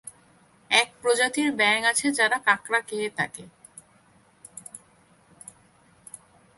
এক প্রজাতির ব্যাঙ আছে যারা কাঁকড়া খেয়ে থাকে।